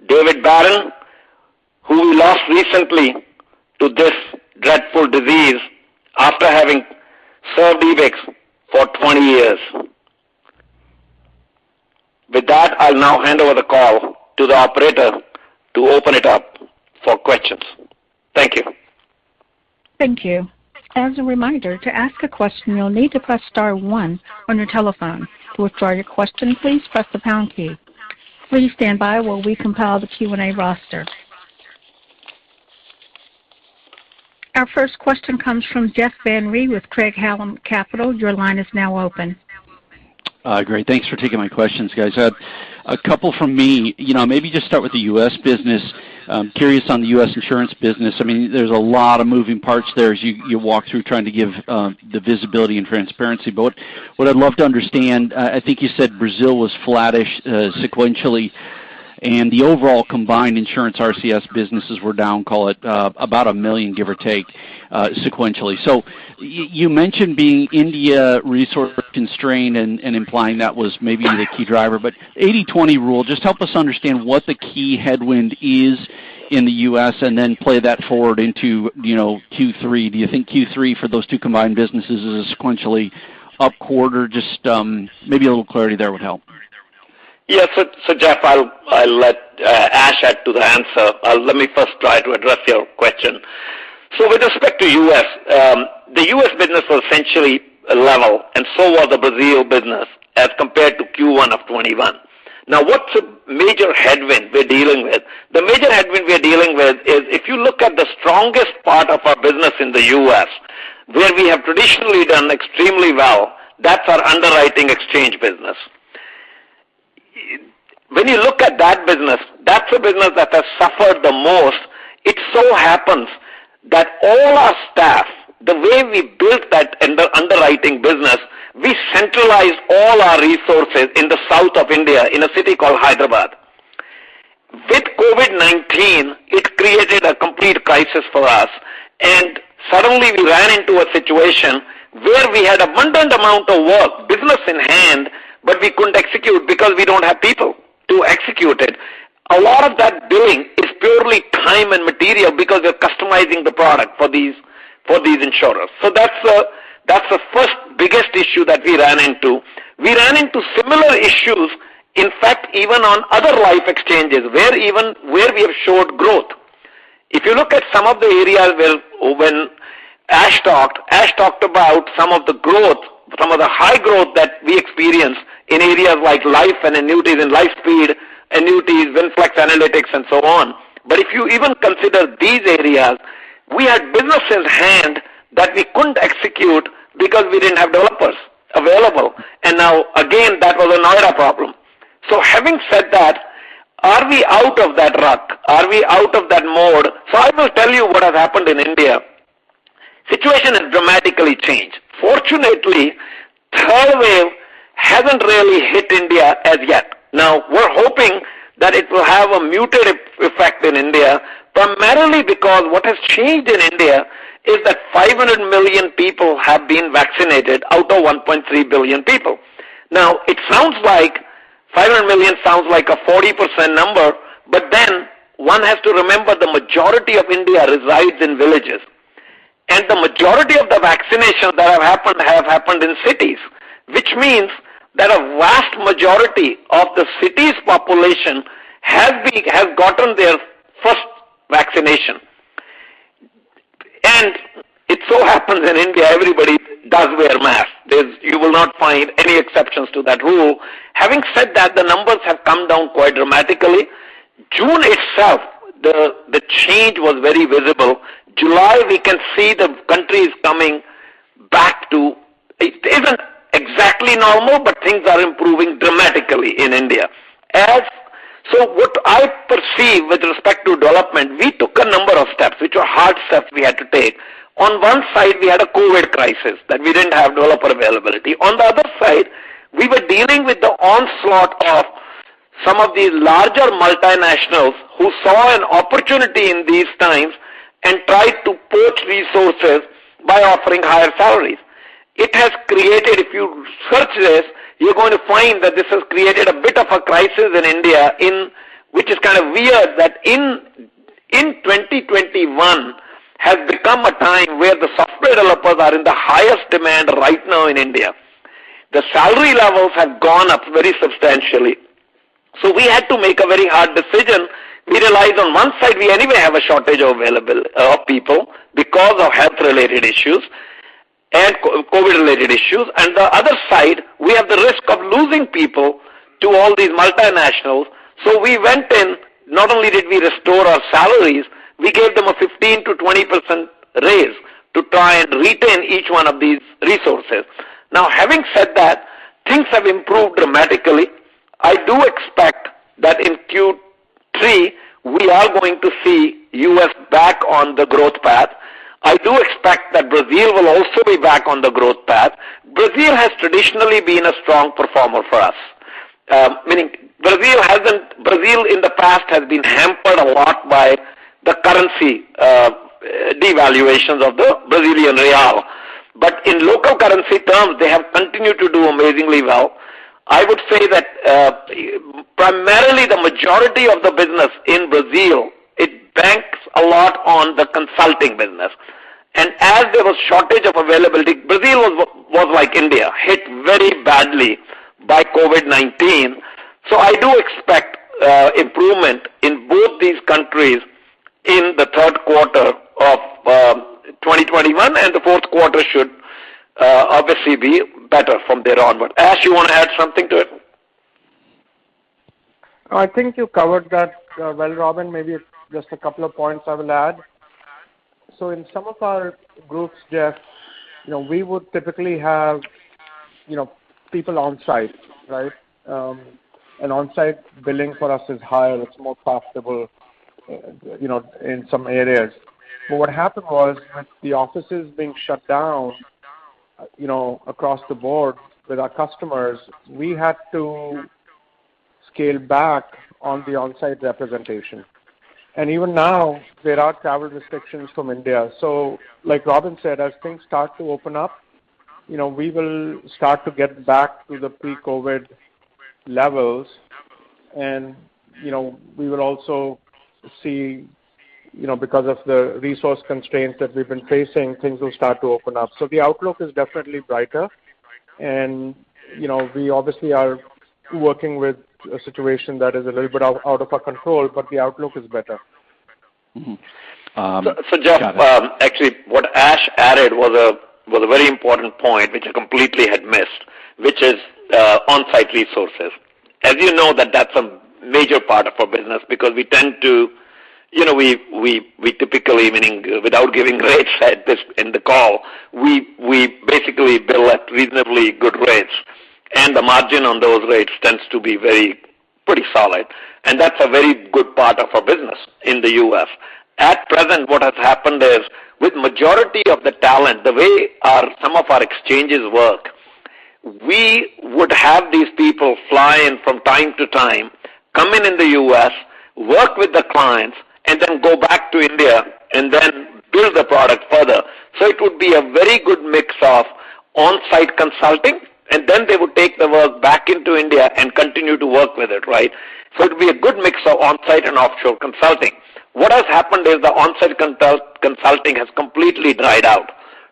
David Baron, who we lost recently to this dreadful disease after having served Ebix for 20 years. With that, I'll now hand over the call to the operator to open it up for questions. Thank you.
Thank you. As a reminder, to ask a question, you'll need to press star one on your telephone. To withdraw your question, please press the pound key. Please stand by while we compile the Q&A roster. Our first question comes from Jeff Van Rhee with Craig-Hallum Capital. Your line is now open.
Great. Thanks for taking my questions, guys. A couple from me. Maybe just start with the U.S. business. Curious on the U.S. insurance business. There's a lot of moving parts there as you walk through trying to give the visibility and transparency, but what I'd love to understand, I think you said Brazil was flattish sequentially, and the overall combined insurance RCS businesses were down, call it about $1 million, give or take, sequentially. You mentioned being India resource-constrained and implying that was maybe the key driver. 80/20 rule, just help us understand what the key headwind is in the U.S. and then play that forward into Q3. Do you think Q3 for those two combined businesses is a sequentially up quarter? Just maybe a little clarity there would help.
Yeah. Jeff, I'll let Ash add to the answer. Let me first try to address your question. With respect to U.S., the U.S. business was essentially level, and so was the Brazil business as compared to Q1 of 2021. Now, what's the major headwind we're dealing with? The major headwind we are dealing with is if you look at the strongest part of our business in the U.S., where we have traditionally done extremely well, that's our underwriting exchange business. When you look at that business, that's a business that has suffered the most. It so happens that all our staff, the way we built that underwriting business, we centralized all our resources in the south of India in a city called Hyderabad. With COVID-19, it created a complete crisis for us. Suddenly we ran into a situation where we had abundant amount of work business in hand, but we couldn't execute because we don't have people to execute it. A lot of that billing is purely time and material because we are customizing the product for these insurers. That's the first biggest issue that we ran into. We ran into similar issues, in fact, even on other life exchanges, where we have showed growth. If you look at some of the areas when Ash talked about some of the growth, some of the high growth that we experienced in areas like life and annuities and LifeSpeed annuities, WinFlex Analytics, and so on. If you even consider these areas. We had business in hand that we couldn't execute because we didn't have developers available. Now again, that was an India problem. Having said that, are we out of that rut? Are we out of that mode? I will tell you what has happened in India. Situation has dramatically changed. Fortunately, third wave hasn't really hit India as yet. We're hoping that it will have a muted effect in India, primarily because what has changed in India is that 500 million people have been vaccinated out of 1.3 billion people. 500 million sounds like a 40% number, but then one has to remember, the majority of India resides in villages. The majority of the vaccinations that have happened, have happened in cities, which means that a vast majority of the cities' population have gotten their first vaccination. It so happens in India, everybody does wear a mask. You will not find any exceptions to that rule. The numbers have come down quite dramatically. June itself, the change was very visible. July, we can see the country is coming back to, it isn't exactly normal, but things are improving dramatically in India. What I perceive with respect to development, we took a number of steps, which were hard steps we had to take. On one side, we had a COVID crisis, that we didn't have developer availability. On the other side, we were dealing with the onslaught of some of these larger multinationals who saw an opportunity in these times and tried to poach resources by offering higher salaries. If you search this, you're going to find that this has created a bit of a crisis in India, which is kind of weird that in 2021, has become a time where the software developers are in the highest demand right now in India. The salary levels have gone up very substantially. We had to make a very hard decision. We realized on one side, we anyway have a shortage of people because of health-related issues and COVID-related issues. The other side, we have the risk of losing people to all these multinationals. We went in, not only did we restore our salaries, we gave them a 15%-20% raise to try and retain each one of these resources. Now, having said that, things have improved dramatically. I do expect that in Q3, we are going to see U.S. back on the growth path. I do expect that Brazil will also be back on the growth path. Brazil has traditionally been a strong performer for us. Meaning Brazil in the past has been hampered a lot by the currency devaluations of the Brazilian real. In local currency terms, they have continued to do amazingly well. I would say that, primarily the majority of the business in Brazil, it banks a lot on the consulting business. As there was shortage of availability, Brazil was like India, hit very badly by COVID-19. I do expect improvement in both these countries in the third quarter of 2021, and the fourth quarter should obviously be better from there onward. Ash, you want to add something to it?
I think you covered that well, Robin, maybe just a couple of points I will add. In some of our groups, Jeff, we would typically have people on-site. On-site billing for us is higher, it's more profitable in some areas. What happened was, with the offices being shut down across the board with our customers, we had to scale back on the on-site representation. Even now, there are travel restrictions from India. Like Robin said, as things start to open up, we will start to get back to the pre-COVID-19 levels. We will also see, because of the resource constraints that we've been facing, things will start to open up. The outlook is definitely brighter, and we obviously are working with a situation that is a little bit out of our control, but the outlook is better.
Jeff, actually, what Ash added was a very important point, which I completely had missed, which is on-site resources. You know, that's a major part of our business because we typically, meaning without giving rates in the call, we basically bill at reasonably good rates. The margin on those rates tends to be pretty solid. That's a very good part of our business in the U.S. At present, what has happened is, with majority of the talent, the way some of our exchanges work, we would have these people fly in from time to time, come in in the U.S., work with the clients, and then go back to India and then build the product further. It would be a very good mix of on-site consulting, and then they would take the work back into India and continue to work with it. It would be a good mix of on-site and offshore consulting. What has happened is the on-site consulting has completely dried out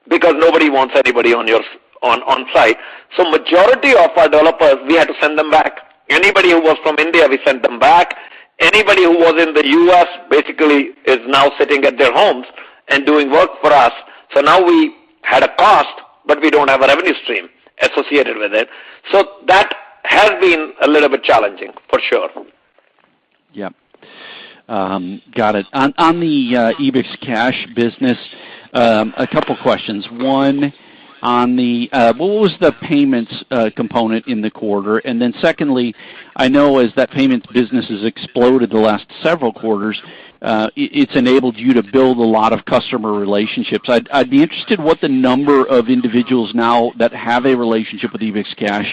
because nobody wants anybody on-site. Majority of our developers, we had to send them back. Anybody who was from India, we sent them back. Anybody who was in the U.S. basically is now sitting at their homes and doing work for us. Now we had a cost, but we don't have a revenue stream associated with it. That has been a little bit challenging, for sure.
Yep. Got it. On the EbixCash business, a couple questions. 1, what was the payments component in the quarter? Then secondly, I know as that payments business has exploded the last several quarters, it's enabled you to build a lot of customer relationships. I'd be interested what the number of individuals now that have a relationship with EbixCash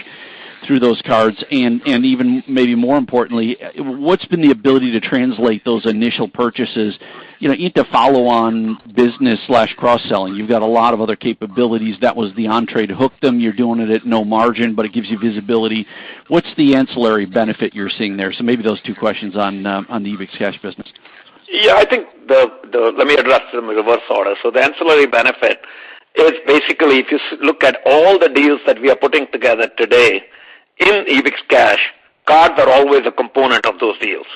through those cards, and even maybe more importantly, what's been the ability to translate those initial purchases into follow-on business/cross-selling? You've got a lot of other capabilities. That was the entree to hook them. You're doing it at no margin, but it gives you visibility. What's the ancillary benefit you're seeing there? Maybe those two questions on the EbixCash business.
Yeah, let me address them in reverse order. The ancillary benefit is basically, if you look at all the deals that we are putting together today in EbixCash, cards are always a component of those deals.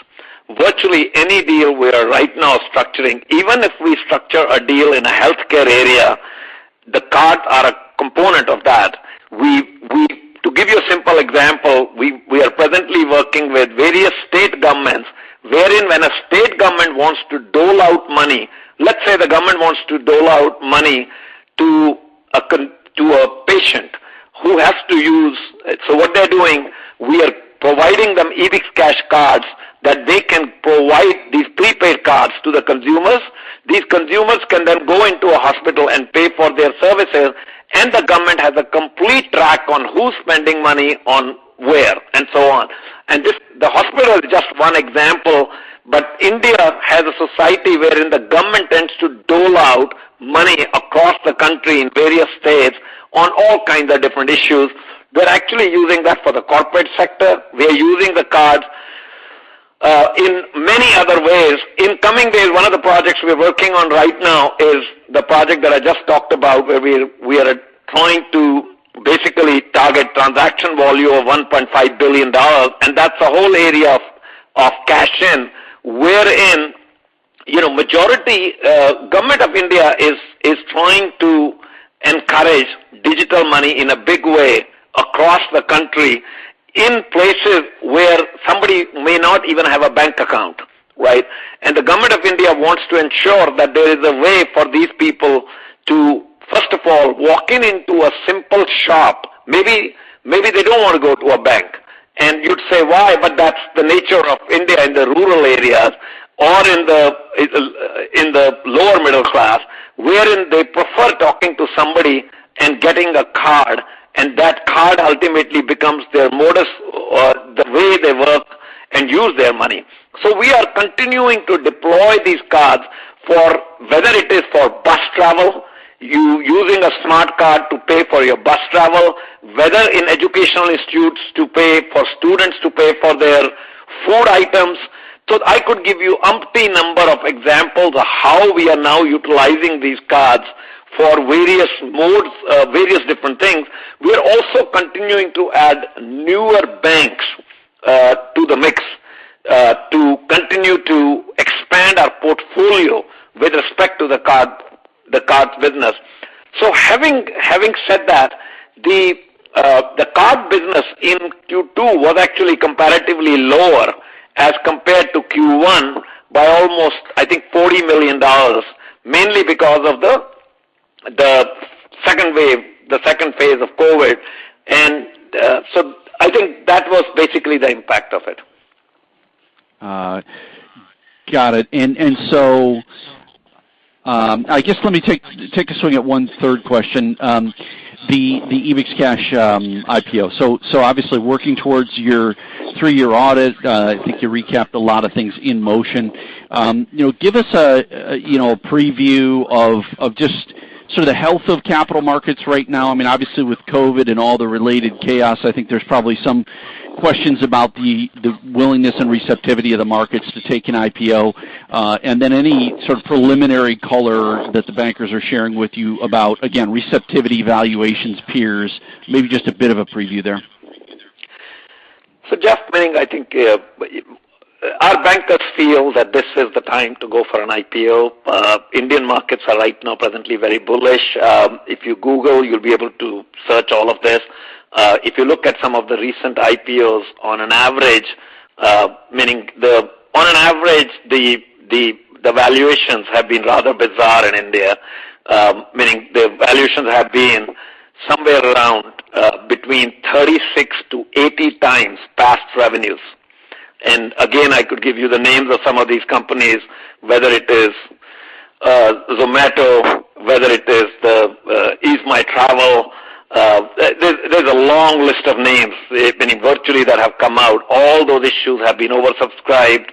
Virtually any deal we are right now structuring, even if we structure a deal in a healthcare area, the cards are a component of that. To give you a simple example, we are presently working with various state governments, wherein when a state government wants to dole out money, let’s say the government wants to dole out money to a patient. What they’re doing, we are providing them EbixCash cards that they can provide these prepaid cards to the consumers. These consumers can then go into a hospital and pay for their services, and the government has a complete track on who's spending money on where, and so on. The hospital is just one example, but India has a society wherein the Government tends to dole out money across the country in various states on all kinds of different issues. We're actually using that for the corporate sector. We are using the cards in many other ways. In coming days, one of the projects we're working on right now is the project that I just talked about, where we are trying to basically target transaction volume of $1.5 billion, and that's a whole area of cashin, wherein Government of India is trying to encourage digital money in a big way across the country in places where somebody may not even have a bank account. Right? The government of India wants to ensure that there is a way for these people to, first of all, walking into a simple shop. Maybe they don't want to go to a bank. You'd say, "Why?" That's the nature of India in the rural areas or in the lower middle class, wherein they prefer talking to somebody and getting a card, and that card ultimately becomes their modus or the way they work and use their money. We are continuing to deploy these cards, whether it is for bus travel, using a smart card to pay for your bus travel, whether in educational institutes to pay for students to pay for their food items. I could give you umpteen number of examples of how we are now utilizing these cards for various modes, various different things. We are also continuing to add newer banks to the mix, to continue to expand our portfolio with respect to the card business. Having said that, the card business in Q2 was actually comparatively lower as compared to Q1 by almost, I think, $40 million, mainly because of the second wave, the second phase of COVID-19. I think that was basically the impact of it.
Got it. I guess, let me take a swing at one third question. The EbixCash IPO. Obviously, working towards your three-year audit, I think you recapped a lot of things in motion. Give us a preview of just sort of the health of capital markets right now. Obviously, with COVID and all the related chaos, I think there's probably some questions about the willingness and receptivity of the markets to take an IPO. Then any sort of preliminary color that the bankers are sharing with you about, again, receptivity, valuations, peers. Maybe just a bit of a preview there.
Just meaning, I think our bankers feel that this is the time to go for an IPO. Indian markets are right now presently very bullish. If you Google, you'll be able to search all of this. If you look at some of the recent IPOs, on an average, the valuations have been rather bizarre in India, meaning the valuations have been somewhere around between 36-80x past revenues. Again, I could give you the names of some of these companies, whether it is Zomato, whether it is the EaseMy Travel. There's a long list of names, meaning virtually that have come out. All those issues have been oversubscribed.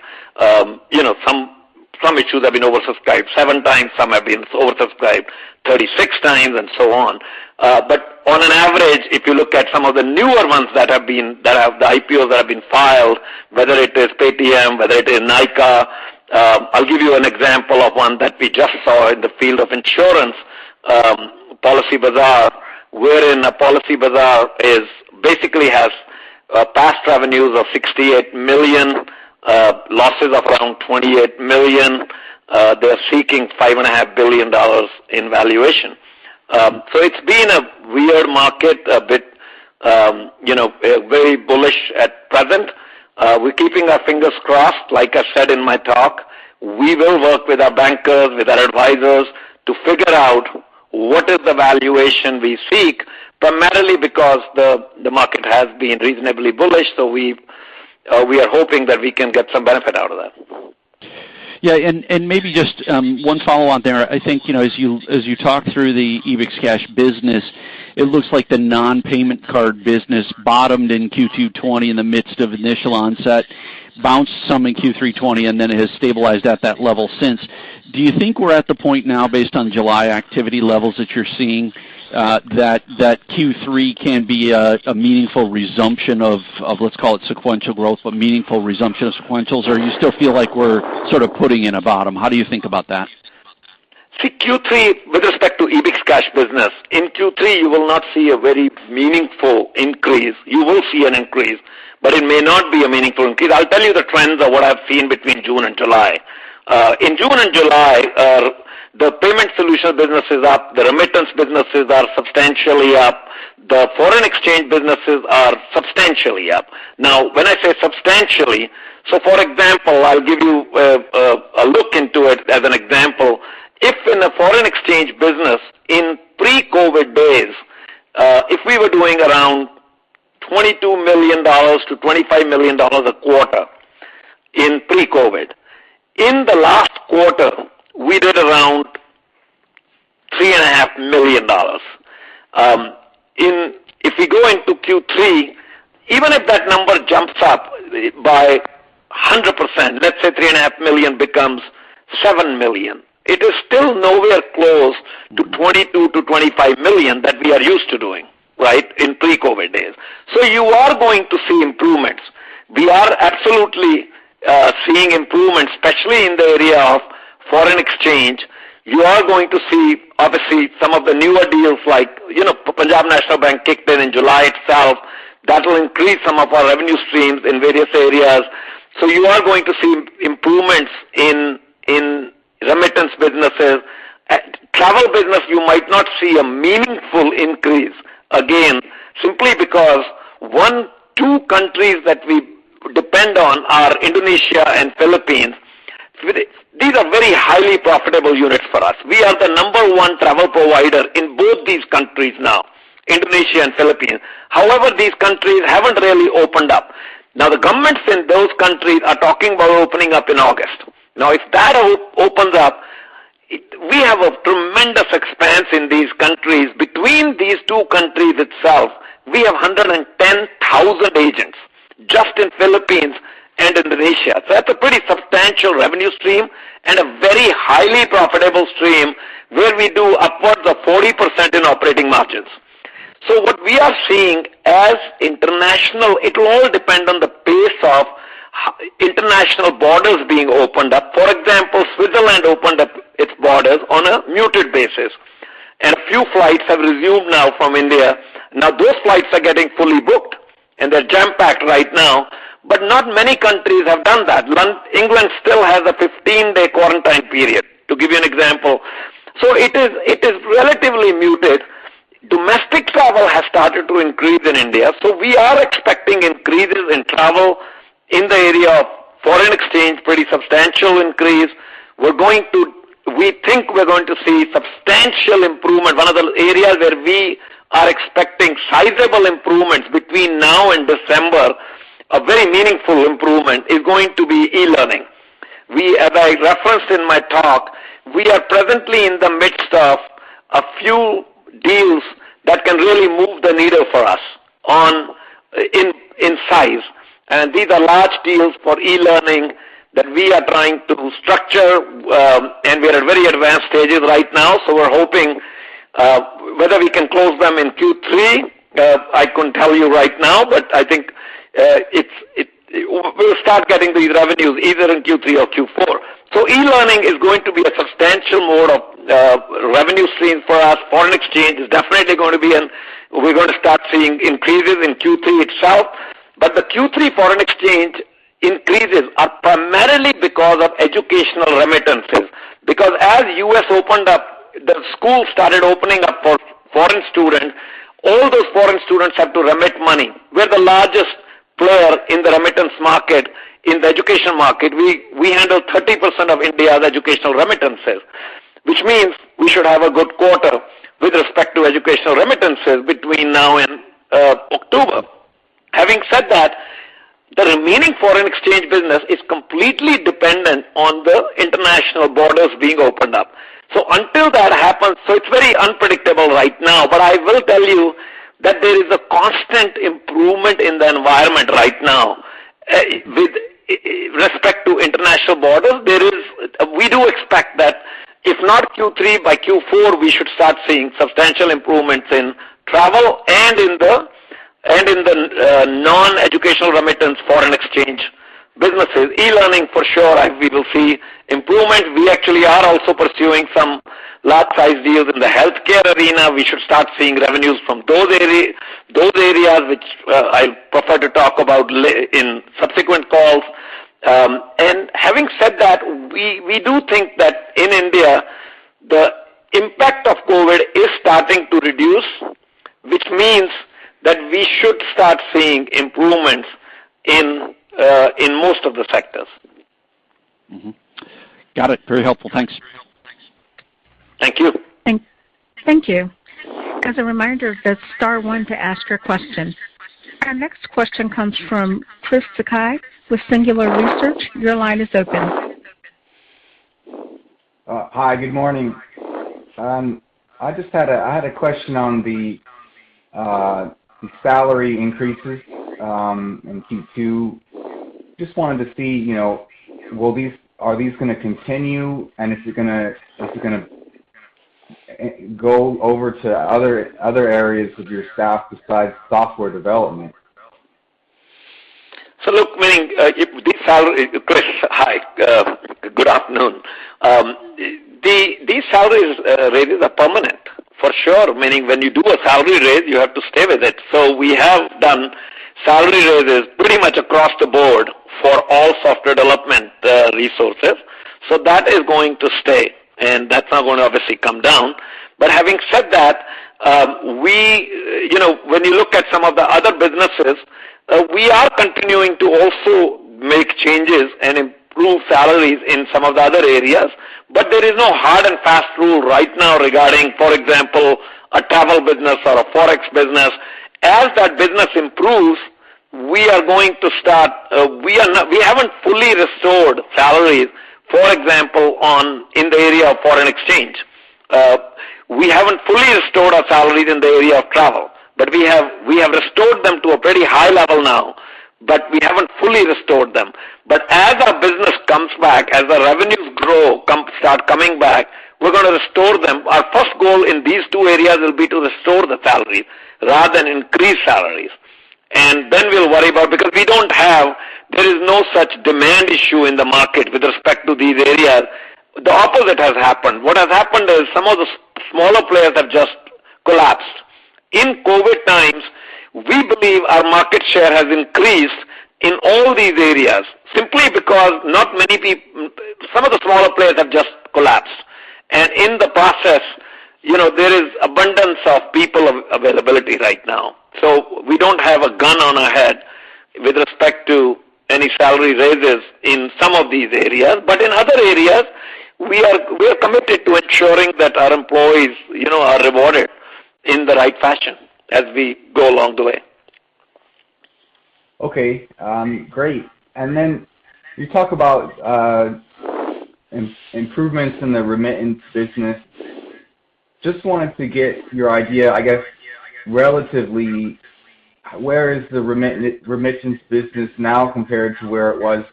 Some issues have been oversubscribed 7x, some have been oversubscribed 36x, and so on. On an average, if you look at some of the newer ones, the IPOs that have been filed, whether it is Paytm, whether it is Nykaa. I'll give you an example of one that we just saw in the field of insurance, Policybazaar, wherein Policybazaar basically has past revenues of $68 million, losses of around $28 million. They're seeking $5.5 billion in valuation. It's been a weird market, Very bullish at present. We're keeping our fingers crossed, like I said in my talk. We will work with our bankers, with our advisors to figure out what is the valuation we seek, primarily because the market has been reasonably bullish, we are hoping that we can get some benefit out of that.
Maybe just one follow-on there. I think, as you talk through the EbixCash business, it looks like the non-payment card business bottomed in Q2 2020 in the midst of initial onset, bounced some in Q3 2020, then it has stabilized at that level since. Do you think we're at the point now, based on July activity levels that you're seeing, that Q3 can be a meaningful resumption of, let's call it sequential growth, meaningful resumption of sequentials? You still feel like we're sort of putting in a bottom? How do you think about that?
See, Q3, with respect to EbixCash business, in Q3, you will not see a very meaningful increase. You will see an increase, but it may not be a meaningful increase. I'll tell you the trends of what I've seen between June and July. In June and July, the payment solution business is up. The remittance businesses are substantially up. The foreign exchange businesses are substantially up. Now, when I say substantially, for example, I'll give you a look into it as an example. If in the foreign exchange business, in pre-COVID days, if we were doing around $22 million-$25 million a quarter in pre-COVID. In the last quarter, we did around $3.5 million. If we go into Q3, even if that number jumps up by 100%, let's say $3.5 million becomes $7 million, it is still nowhere close to $22 million-$25 million that we are used to doing in pre-COVID-19 days. You are going to see improvements. We are absolutely seeing improvements, especially in the area of foreign exchange. You are going to see, obviously, some of the newer deals like Punjab National Bank kicked in in July itself. That will increase some of our revenue streams in various areas. You are going to see improvements in remittance businesses. Travel business, you might not see a meaningful increase again, simply because one, two countries that we depend on are Indonesia and Philippines. These are very highly profitable units for us. We are the number 1 travel provider in both these countries now, Indonesia and Philippines. However, these countries haven't really opened up. The governments in those countries are talking about opening up in August. If that opens up, we have a tremendous expanse in these countries. Between these two countries itself, we have 110,000 agents just in Philippines and Indonesia. That's a pretty substantial revenue stream and a very highly profitable stream where we do upwards of 40% in operating margins. What we are seeing as international, it will all depend on the pace of international borders being opened up. For example, Switzerland opened up its borders on a muted basis, and a few flights have resumed now from India. Those flights are getting fully booked and they're jam-packed right now, but not many countries have done that. England still has a 15-day quarantine period, to give you an example. It is relatively muted. Domestic travel has started to increase in India. We are expecting increases in travel in the area of foreign exchange, pretty substantial increase. We think we're going to see substantial improvement. One of the areas where we are expecting sizable improvements between now and December, a very meaningful improvement, is going to be e-learning. As I referenced in my talk, we are presently in the midst of a few deals that can really move the needle for us in size. These are large deals for e-learning that we are trying to structure, and we are at very advanced stages right now. Whether we can close them in Q3, I couldn't tell you right now, but I think we'll start getting these revenues either in Q3 or Q4. E-learning is going to be a substantial mode of revenue stream for us. Foreign exchange is definitely going to start seeing increases in Q3 itself. The Q3 foreign exchange increases are primarily because of educational remittances. As U.S. opened up, the schools started opening up for foreign students. All those foreign students have to remit money. We're the largest player in the remittance market, in the education market. We handle 30% of India's educational remittances, which means we should have a good quarter with respect to educational remittances between now and October. Having said that, the remaining foreign exchange business is completely dependent on the international borders being opened up. Until that happens, it's very unpredictable right now. I will tell you that there is a constant improvement in the environment right now. With respect to international borders, we do expect that if not Q3, by Q4, we should start seeing substantial improvements in travel and in the non-educational remittance foreign exchange businesses. E-learning, for sure, we will see improvement. We actually are also pursuing some large-size deals in the healthcare arena. We should start seeing revenues from those areas, which I prefer to talk about in subsequent calls. Having said that, we do think that in India, the impact of COVID is starting to reduce, which means that we should start seeing improvements in most of the sectors.
Mm-hmm. Got it. Very helpful. Thanks.
Thank you.
Thank you. As a reminder, press star one to ask your question. Our next question comes from Chris Sakai with Singular Research. Your line is open.
Hi, good morning. I had a question on the salary increases in Q2. Just wanted to see, are these going to continue? If you're going to go over to other areas of your staff besides software development.
Look, Chris, hi. Good afternoon. These salary raises are permanent, for sure, meaning when you do a salary raise, you have to stay with it. We have done salary raises pretty much across the board for all software development resources. That is going to stay, and that's not going to obviously come down. Having said that, when you look at some of the other businesses, we are continuing to also make changes and improve salaries in some of the other areas. There is no hard and fast rule right now regarding, for example, a travel business or a Forex business. As that business improves, we haven't fully restored salaries, for example, in the area of foreign exchange. We haven't fully restored our salaries in the area of travel, but we have restored them to a pretty high level now, but we haven't fully restored them. As our business comes back, as our revenues start coming back, we're going to restore them. Our first goal in these two areas will be to restore the salaries rather than increase salaries. We'll worry about because there is no such demand issue in the market with respect to these areas. The opposite has happened. What has happened is some of the smaller players have just collapsed. In COVID times, we believe our market share has increased in all these areas simply because some of the smaller players have just collapsed. In the process, there is abundance of people availability right now. We don't have a gun on our head with respect to any salary raises in some of these areas. In other areas, we are committed to ensuring that our employees are rewarded in the right fashion as we go along the way.
Okay, great. Then you talk about improvements in the remittance business. Just wanted to get your idea, I guess, relatively, where is the remittance business now compared to where it was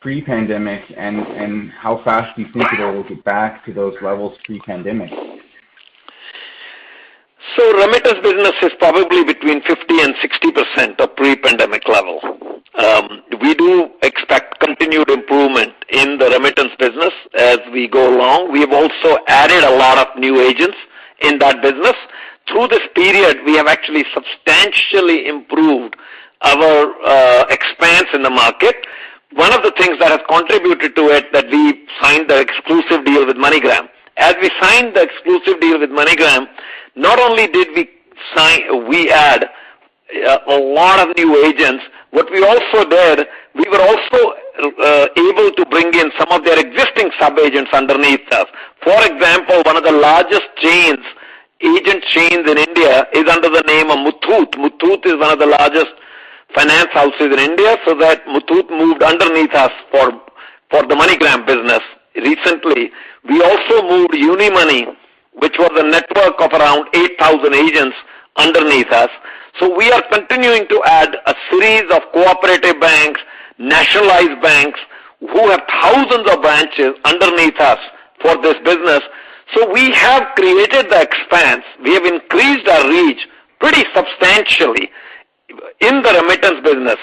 pre-pandemic, and how fast do you think it will get back to those levels pre-pandemic?
Remittance business is probably between 50% and 60% of pre-pandemic level. We do expect continued improvement in the remittance business as we go along. We have also added a lot of new agents in that business. Through this period, we have actually substantially improved our expanse in the market. One of the things that has contributed to it that we signed the exclusive deal with MoneyGram. As we signed the exclusive deal with MoneyGram, not only did we add a lot of new agents, what we also did, we were also able to bring in some of their existing sub-agents underneath us. For example, one of the largest agent chains in India is under the name of Muthoot. Muthoot is one of the largest finance houses in India, so Muthoot moved underneath us for the MoneyGram business recently. We also moved Unimoni, which was a network of around 8,000 agents underneath us. We are continuing to add a series of cooperative banks, nationalized banks, who have thousands of branches underneath us for this business. We have created the expanse. We have increased our reach pretty substantially in the remittance business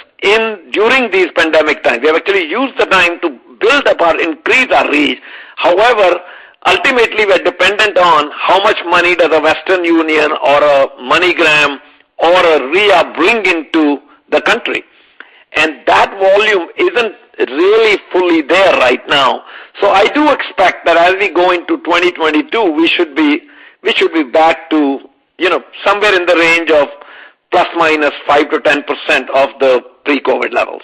during these pandemic times. We have actually used the time to build up or increase our reach. However, ultimately, we're dependent on how much money does a Western Union or a MoneyGram or a Ria bring into the country. That volume isn't really fully there right now. I do expect that as we go into 2022, we should be back to somewhere in the range of ±5%-10% of the pre-COVID levels.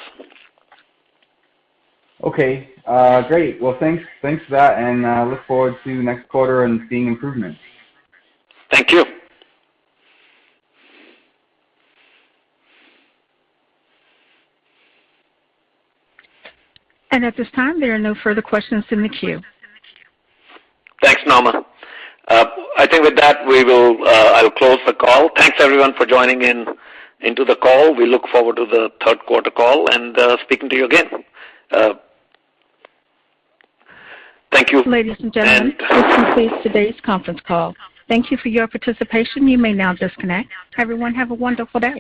Okay, great. Well, thanks for that, and I look forward to next quarter and seeing improvements.
Thank you.
At this time, there are no further questions in the queue.
Thanks, Norma. I think with that, I will close the call. Thanks, everyone, for joining into the call. We look forward to the third quarter call and speaking to you again. Thank you.
Ladies and gentlemen, this concludes today's conference call. Thank you for your participation. You may now disconnect. Everyone have a wonderful day.